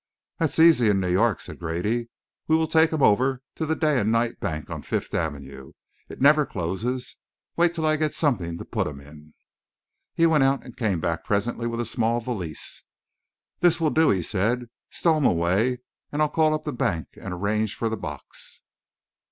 "That's easy in New York," said Grady. "We'll take 'em over to the Day and Night Bank on Fifth Avenue. It never closes. Wait till I get something to put 'em in." He went out and came back presently with a small valise. "This will do," he said. "Stow 'em away, and I'll call up the bank and arrange for the box."